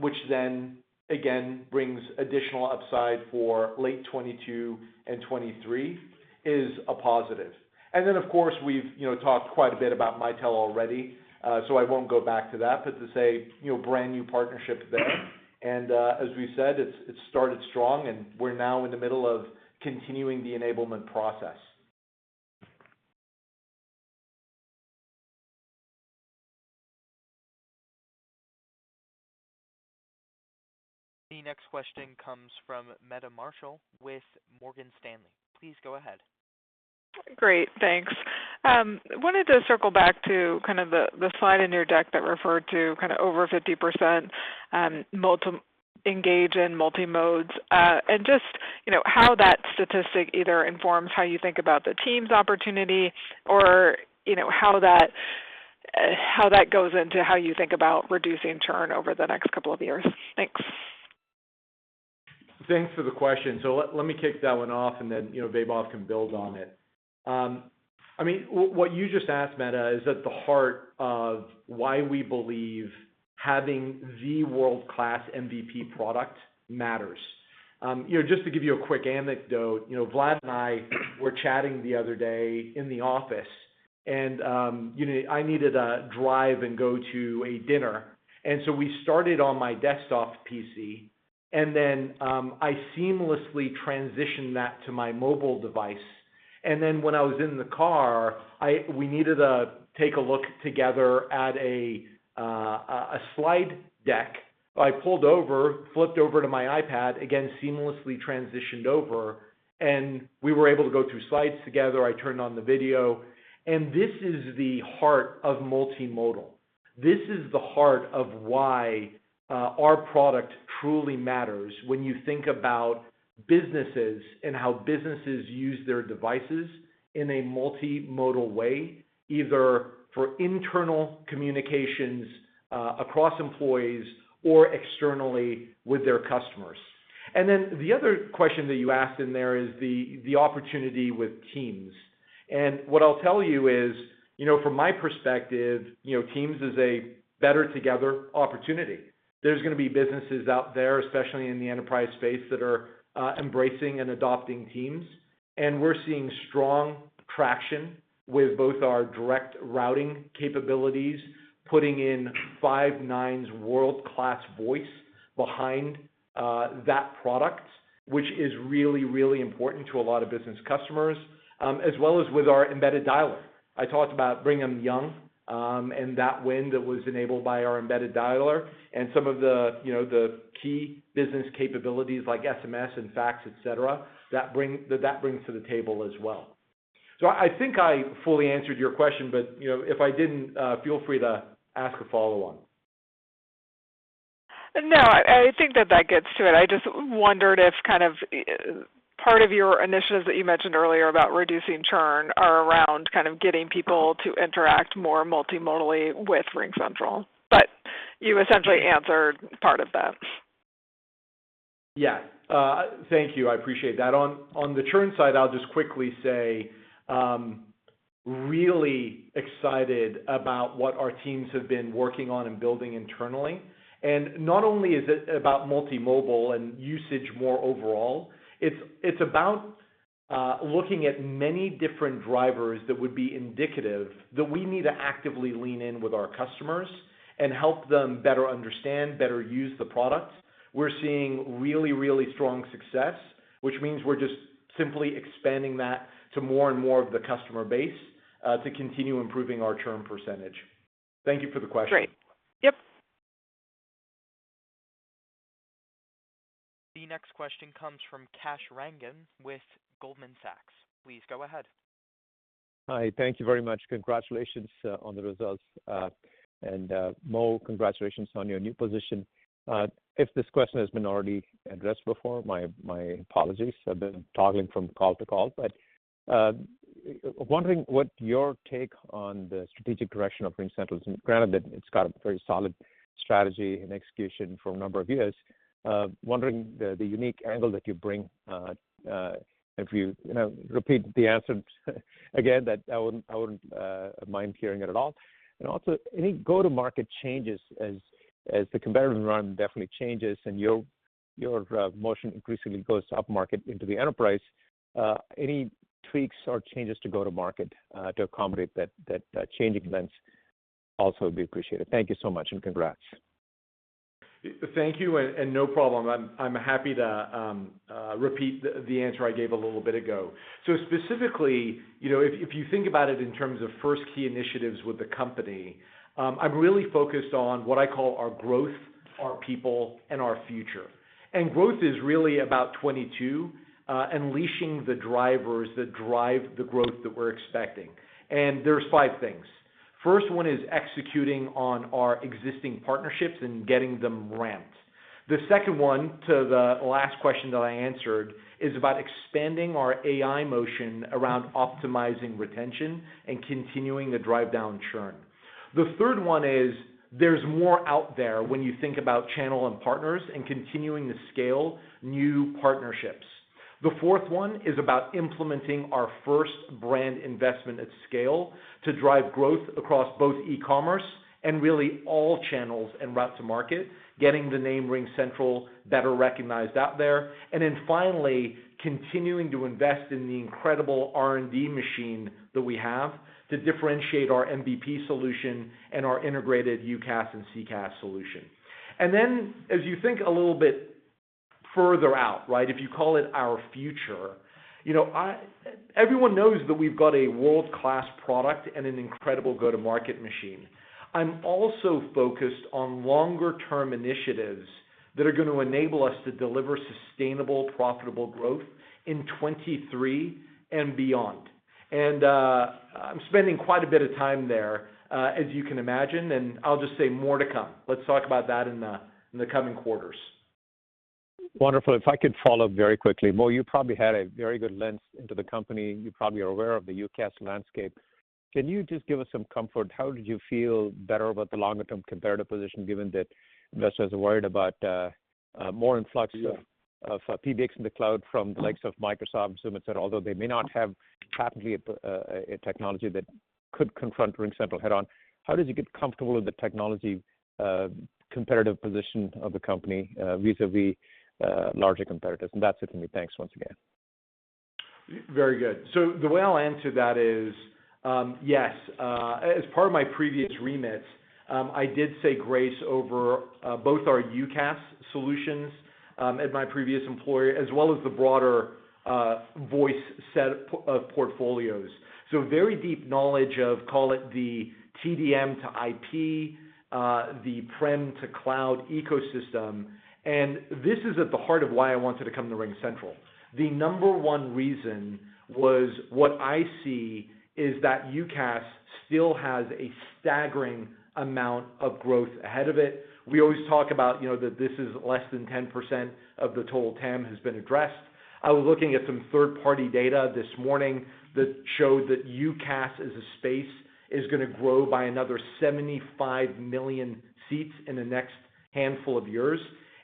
which then again, brings additional upside for late 2022 and 2023 is a positive. Then of course, we've you know talked quite a bit about Mitel already, so I won't go back to that. To say, you know, brand new partnership there. As we said, it's started strong, and we're now in the middle of continuing the enablement process. The next question comes from Meta Marshall with Morgan Stanley. Please go ahead. Great. Thanks. Wanted to circle back to kind of the slide in your deck that referred to kind of over 50%, multi-engage and multi-modes, and just, you know, how that statistic either informs how you think about the TAM's opportunity or, you know, how that goes into how you think about reducing churn over the next couple of years. Thanks. Thanks for the question. Let me kick that one off, and then, you know, Vaibhav can build on it. I mean, what you just asked, Mette, is at the heart of why we believe having the world-class MVP product matters. You know, just to give you a quick anecdote, you know, Vlad and I were chatting the other day in the office, and, you know, I needed to drive and go to a dinner. We started on my desktop PC, and then, I seamlessly transitioned that to my mobile device. Then when I was in the car, we needed to take a look together at a slide deck. I pulled over, flipped over to my iPad, again, seamlessly transitioned over, and we were able to go through slides together. I turned on the video. This is the heart of multimodal. This is the heart of why our product truly matters when you think about businesses and how businesses use their devices in a multimodal way, either for internal communications across employees or externally with their customers. Then the other question that you asked in there is the opportunity with Teams. What I'll tell you is, you know, from my perspective, you know, Teams is a better together opportunity. There's gonna be businesses out there, especially in the enterprise space, that are embracing and adopting Teams. We're seeing strong traction with both our direct routing capabilities, putting in five nines world-class voice behind that product, which is really, really important to a lot of business customers, as well as with our embedded dialer. I talked about Brigham Young and that win that was enabled by our embedded dialer and some of the, you know, the key business capabilities like SMS and fax, et cetera, that brings to the table as well. I think I fully answered your question, but, you know, if I didn't, feel free to ask a follow-on. No, I think that gets to it. I just wondered if kind of part of your initiatives that you mentioned earlier about reducing churn are around kind of getting people to interact more multimodally with RingCentral, but you essentially answered part of that. Thank you. I appreciate that. On the churn side, I'll just quickly say, really excited about what our teams have been working on and building internally. Not only is it about multi-mobile and usage more overall, it's about looking at many different drivers that would be indicative that we need to actively lean in with our customers and help them better understand, better use the product. We're seeing really strong success, which means we're just simply expanding that to more and more of the customer base to continue improving our churn percentage. Thank you for the question. Great. Yep. The next question comes from Kash Rangan with Goldman Sachs. Please go ahead. Hi, thank you very much. Congratulations on the results. Mo, congratulations on your new position. If this question has been already addressed before, my apologies. I've been toggling from call to call. Wondering what your take on the strategic direction of RingCentral is. Granted that it's got a very solid strategy and execution for a number of years, wondering the unique angle that you bring, if you know, repeat the answer again, that I wouldn't mind hearing it at all. Also, any go-to-market changes as the competitive environment definitely changes and your motion increasingly goes upmarket into the enterprise, any tweaks or changes to go-to-market to accommodate that changing lens also would be appreciated. Thank you so much, and congrats. Thank you, and no problem. I'm happy to repeat the answer I gave a little bit ago. Specifically, you know, if you think about it in terms of first key initiatives with the company, I'm really focused on what I call our growth, our people, and our future. Growth is really about 2022, unleashing the drivers that drive the growth that we're expecting. There are five things. First one is executing on our existing partnerships and getting them ramped. The second one to the last question that I answered is about expanding our AI motion around optimizing retention and continuing to drive down churn. The third one is there is more out there when you think about channel and partners and continuing to scale new partnerships. The fourth one is about implementing our first brand investment at scale to drive growth across both e-commerce and really all channels and route to market, getting the name RingCentral better recognized out there. Then finally, continuing to invest in the incredible R&D machine that we have to differentiate our MVP solution and our integrated UCaaS and CCaaS solution. Then as you think a little bit further out, right, if you call it our future, you know, everyone knows that we've got a world-class product and an incredible go-to-market machine. I'm also focused on longer-term initiatives that are gonna enable us to deliver sustainable, profitable growth in 2023 and beyond. I'm spending quite a bit of time there, as you can imagine, and I'll just say more to come. Let's talk about that in the coming quarters. Wonderful. If I could follow up very quickly. Mo, you probably had a very good lens into the company. You probably are aware of the UCaaS landscape. Can you just give us some comfort? How did you feel better about the longer-term competitive position, given that investors are worried about more influx of PBX in the cloud from the likes of Microsoft, Zoom, et cetera, although they may not have patently a technology that could confront RingCentral head on. How does it get comfortable with the technology competitive position of the company vis-à-vis larger competitors? That's it for me. Thanks once again. Very good. The way I'll answer that is, yes, as part of my previous remits, I did oversee both our UCaaS solutions at my previous employer, as well as the broader voice set of portfolios. Very deep knowledge of call it the TDM to IP, the on-prem-to-cloud ecosystem. This is at the heart of why I wanted to come to RingCentral. The number one reason was what I see is that UCaaS still has a staggering amount of growth ahead of it. We always talk about, you know, that this is less than 10% of the total TAM has been addressed. I was looking at some third-party data this morning that showed that UCaaS as a space is gonna grow by another 75 million seats in the next handful of years.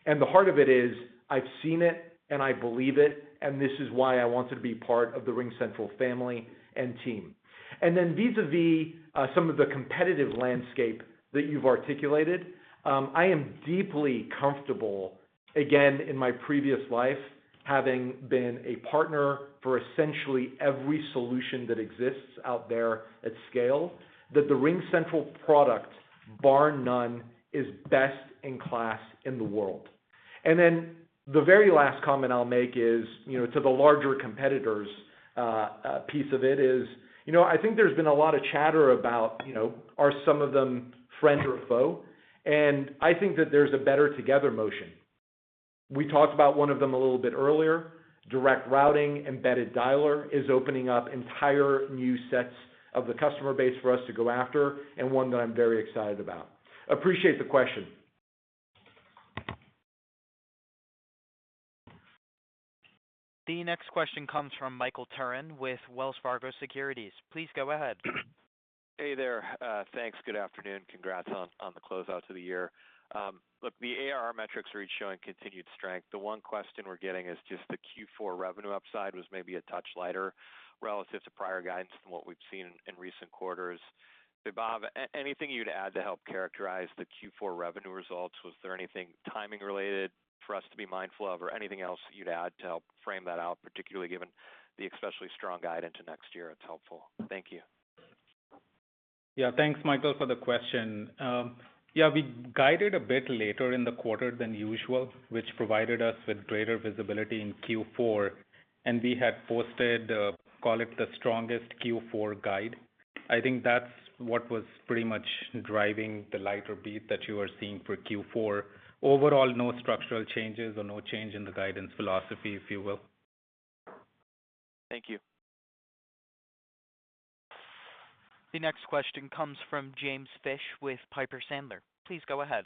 The heart of it is I've seen it, and I believe it, and this is why I wanted to be part of the RingCentral family and team. Vis-à-vis some of the competitive landscape that you've articulated, I am deeply comfortable, again, in my previous life, having been a partner for essentially every solution that exists out there at scale, that the RingCentral product, bar none, is best in class in the world. The very last comment I'll make is, you know, to the larger competitors, piece of it is, you know, I think there's been a lot of chatter about, you know, are some of them friend or foe? I think that there's a better together motion. We talked about one of them a little bit earlier. Direct routing, embedded dialer is opening up entire new sets of the customer base for us to go after, and one that I'm very excited about. Appreciate the question. The next question comes from Michael Turrin with Wells Fargo Securities. Please go ahead. Hey there. Thanks. Good afternoon. Congrats on the closeout to the year. Look, the ARR metrics are each showing continued strength. The one question we're getting is just the Q4 revenue upside was maybe a touch lighter relative to prior guidance from what we've seen in recent quarters. Vaibhav, anything you'd add to help characterize the Q4 revenue results? Was there anything timing related for us to be mindful of or anything else you'd add to help frame that out, particularly given the especially strong guide into next year? It's helpful. Thank you. Yeah. Thanks, Michael, for the question. Yeah, we guided a bit later in the quarter than usual, which provided us with greater visibility in Q4, and we had posted, call it the strongest Q4 guide. I think that's what was pretty much driving the lighter beat that you are seeing for Q4. Overall, no structural changes or no change in the guidance philosophy, if you will. Thank you. The next question comes from James Fish with Piper Sandler. Please go ahead.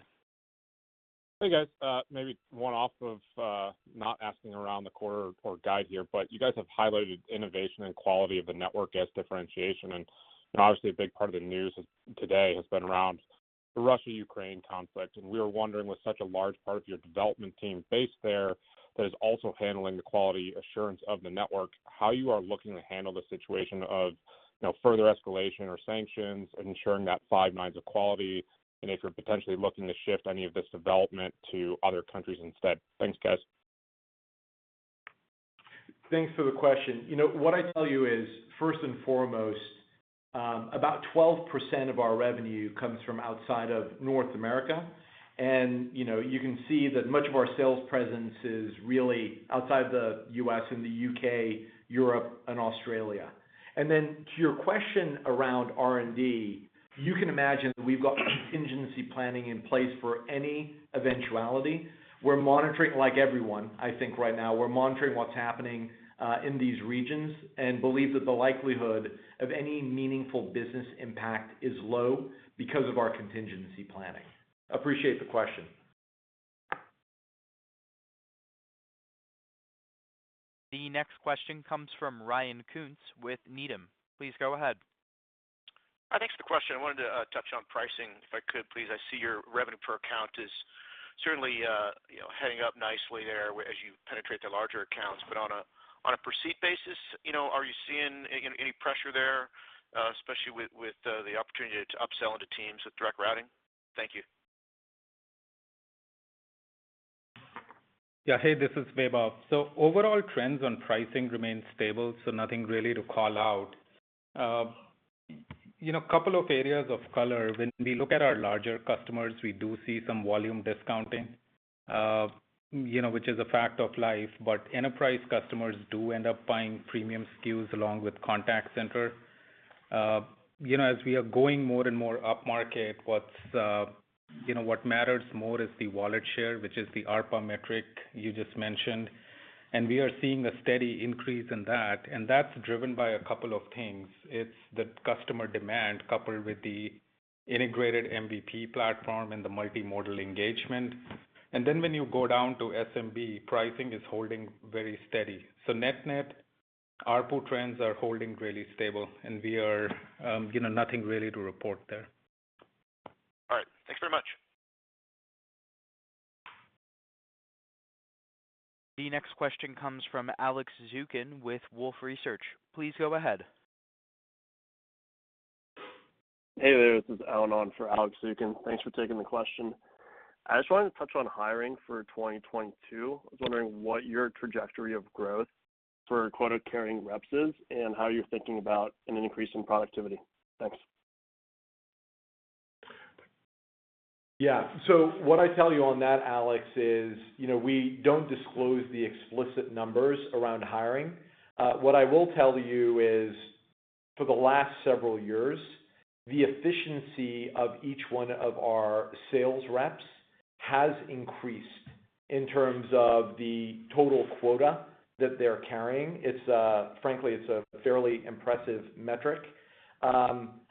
Hey, guys. Maybe one off of, not asking around the quarter or guide here, but you guys have highlighted innovation and quality of the network as differentiation. Obviously, a big part of the news today has been around the Russia-Ukraine conflict. We were wondering, with such a large part of your development team based there that is also handling the quality assurance of the network, how you are looking to handle the situation of, you know, further escalation or sanctions and ensuring that five nines of quality, and if you're potentially looking to shift any of this development to other countries instead. Thanks, guys. Thanks for the question. You know, what I tell you is, first and foremost, about 12% of our revenue comes from outside of North America. You know, you can see that much of our sales presence is really outside the US, in the UK, Europe, and Australia. To your question around R&D, you can imagine that we've got contingency planning in place for any eventuality. We're monitoring like everyone, I think right now. We're monitoring what's happening in these regions and believe that the likelihood of any meaningful business impact is low because of our contingency planning. Appreciate the question. The next question comes from Ryan Koontz with Needham. Please go ahead. Thanks for the question. I wanted to touch on pricing, if I could please. I see your revenue per account is certainly, you know, heading up nicely there as you penetrate the larger accounts. On a per seat basis, you know, are you seeing any pressure there, especially with the opportunity to upsell into Teams with direct routing? Thank you. Yeah. Hey, this is Vaibhav. Overall trends on pricing remain stable, so nothing really to call out. You know, a couple of areas of color. When we look at our larger customers, we do see some volume discounting, you know, which is a fact of life. Enterprise customers do end up buying premium SKUs along with contact center. You know, as we are going more and more upmarket, you know, what matters more is the wallet share, which is the ARPA metric you just mentioned. We are seeing a steady increase in that, and that's driven by a couple of things. It's the customer demand coupled with the integrated MVP platform and the multimodal engagement. Then when you go down to SMB, pricing is holding very steady. Net-net, ARPU trends are holding really stable, and we are, you know, nothing really to report there. All right. Thanks very much. The next question comes from Alex Zukin with Wolfe Research. Please go ahead. Hey there, this is Alan on for Alex Zukin. Thanks for taking the question. I just wanted to touch on hiring for 2022. I was wondering what your trajectory of growth for quota-carrying reps is and how you're thinking about an increase in productivity. Thanks. Yeah. What I tell you on that, Alex, is, you know, we don't disclose the explicit numbers around hiring. What I will tell you is for the last several years, the efficiency of each one of our sales reps has increased in terms of the total quota that they're carrying. It's frankly a fairly impressive metric.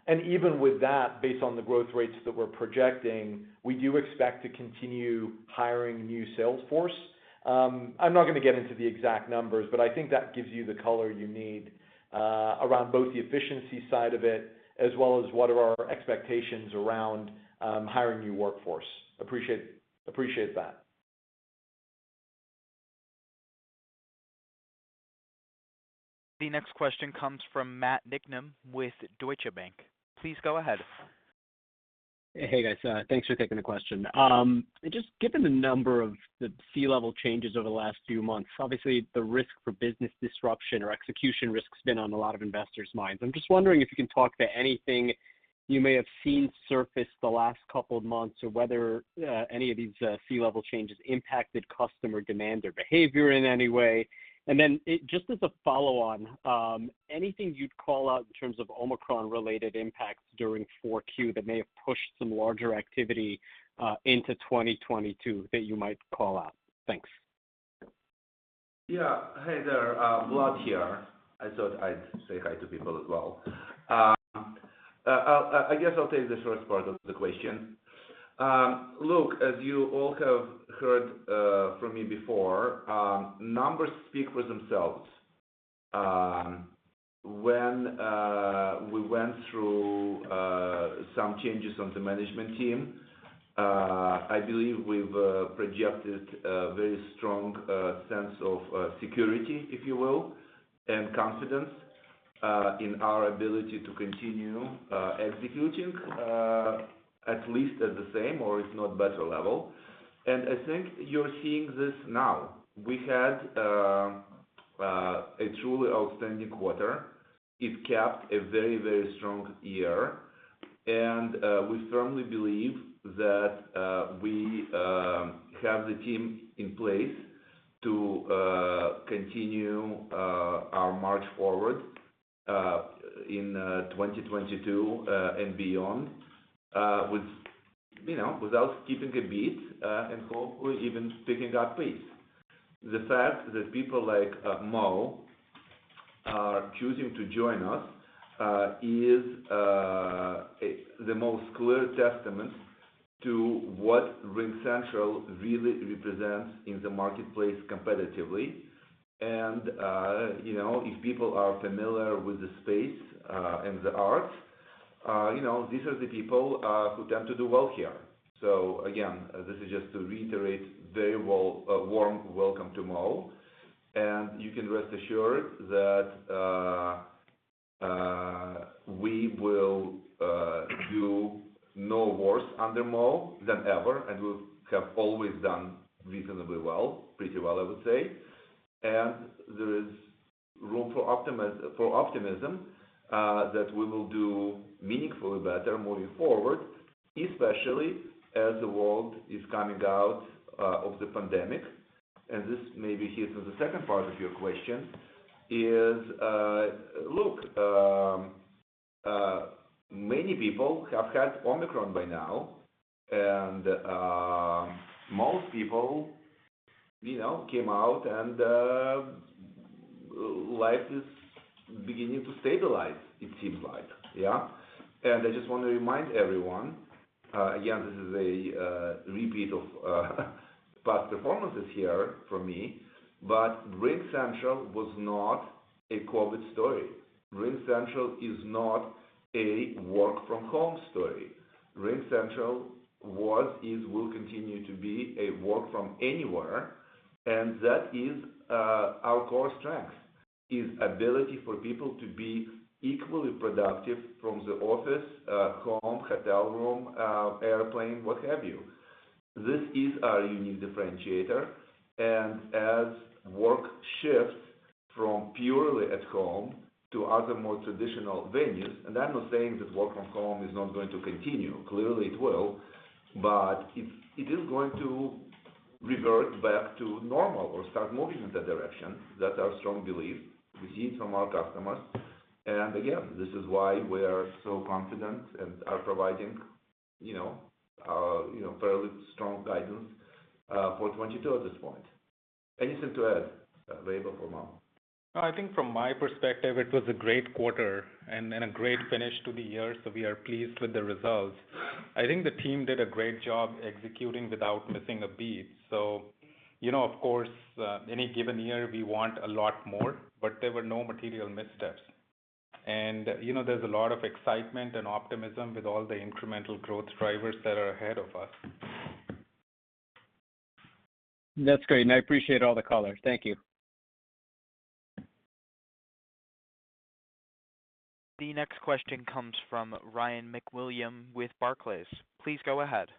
Even with that, based on the growth rates that we're projecting, we do expect to continue hiring new sales force. I'm not going to get into the exact numbers, but I think that gives you the color you need around both the efficiency side of it as well as what are our expectations around hiring new workforce. Appreciate that. The next question comes from Matthew Niknam with Deutsche Bank. Please go ahead. Hey, guys. Thanks for taking the question. Just given the number of the C-level changes over the last few months, obviously the risk for business disruption or execution risk has been on a lot of investors' minds. I'm just wondering if you can talk to anything you may have seen surface in the last couple of months or whether any of these C-level changes impacted customer demand or behavior in any way. Just as a follow-on, anything you'd call out in terms of Omicron-related impacts during 4Q that may have pushed some larger activity into 2022 that you might call out? Thanks. Yeah. Hey there. Vlad here. I thought I'd say hi to people as well. I guess I'll take the first part of the question. Look, as you all have heard from me before, numbers speak for themselves. When we went through some changes on the management team, I believe we've projected a very strong sense of security, if you will, and confidence in our ability to continue executing at least at the same or if not better level. I think you're seeing this now. We had a truly outstanding quarter. It capped a very, very strong year. We firmly believe that we have the team in place to continue our march forward in 2022 and beyond, you know, without skipping a beat and hopefully even picking up pace. The fact that people like Mo are choosing to join us is the most clear testament to what RingCentral really represents in the marketplace competitively. You know, if people are familiar with the space and the art, you know, these are the people who tend to do well here. Again, this is just to reiterate, very warm welcome to Mo, and you can rest assured that we will do no worse under Mo than ever, and we have always done reasonably well, pretty well, I would say. There is room for optimism that we will do meaningfully better moving forward, especially as the world is coming out of the pandemic. This maybe hints at the second part of your question is, look, many people have had Omicron by now, and most people, you know, came out and life is beginning to stabilize, it seems like. Yeah. I just wanna remind everyone, again, this is a repeat of past performances here for me, but RingCentral was not a COVID story. RingCentral is not a work from home story. RingCentral was, is, will continue to be a work from anywhere, and that is our core strength. Is ability for people to be equally productive from the office, home, hotel room, airplane, what have you. This is our unique differentiator. As work shifts from purely at home to other more traditional venues, and I'm not saying that work from home is not going to continue, clearly it will. It is going to revert back to normal or start moving in that direction. That's our strong belief. We see it from our customers, and again, this is why we are so confident and are providing, you know, you know, fairly strong guidance for 2022 at this point. Anything to add, Vaibhav or Mo? I think from my perspective, it was a great quarter and a great finish to the year, so we are pleased with the results. I think the team did a great job executing without missing a beat. You know, of course, any given year we want a lot more, but there were no material missteps. You know, there's a lot of excitement and optimism with all the incremental growth drivers that are ahead of us. That's great, and I appreciate all the color. Thank you. The next question comes from Ryan MacWilliams with Barclays. Please go ahead.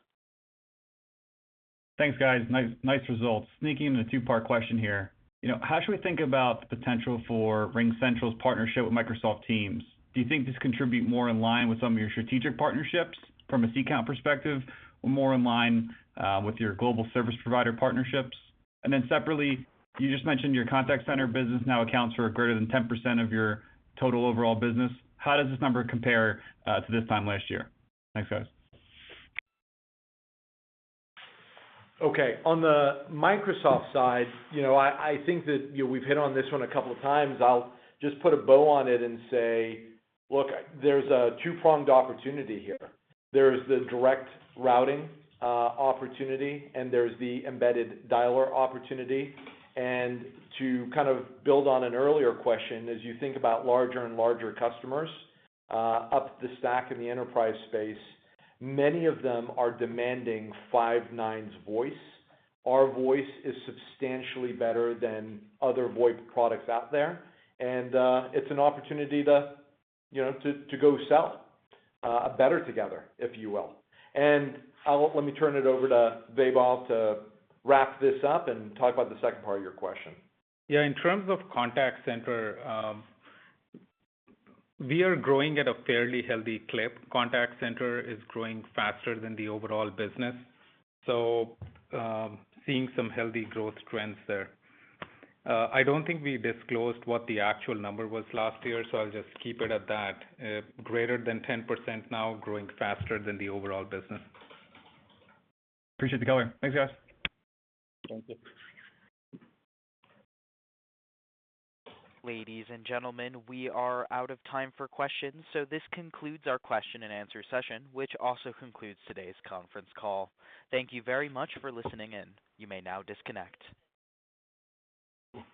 Thanks, guys. Nice results. Sneaking in a two-part question here. You know, how should we think about the potential for RingCentral's partnership with Microsoft Teams? Do you think this contribute more in line with some of your strategic partnerships from a customer count perspective or more in line with your global service provider partnerships? Then separately, you just mentioned your contact center business now accounts for greater than 10% of your total overall business. How does this number compare to this time last year? Thanks, guys. Okay. On the Microsoft side, you know, I think that, you know, we've hit on this one a couple of times. I'll just put a bow on it and say, look, there's a two-pronged opportunity here. There's the direct routing opportunity, and there's the embedded dialer opportunity. To kind of build on an earlier question, as you think about larger and larger customers up the stack in the enterprise space, many of them are demanding five nines voice. Our voice is substantially better than other voice products out there. It's an opportunity to, you know, go sell better together, if you will. Let me turn it over to Vaibhav to wrap this up and talk about the second part of your question. Yeah, in terms of contact center, we are growing at a fairly healthy clip. Contact center is growing faster than the overall business, so, seeing some healthy growth trends there. I don't think we disclosed what the actual number was last year, so I'll just keep it at that. Greater than 10% now, growing faster than the overall business. Appreciate the color. Thanks, guys. Thank you. Ladies and gentlemen, we are out of time for questions, so this concludes our question and answer session, which also concludes today's conference call. Thank you very much for listening in. You may now disconnect.